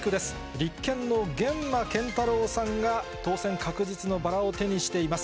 立憲の源馬謙太郎さんが当選確実のバラを手にしています。